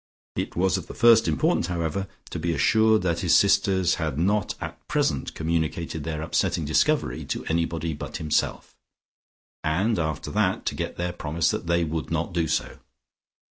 It was of the first importance, however, to be assured that his sisters had not at present communicated their upsetting discovery to anybody but himself, and after that to get their promise that they would not do so.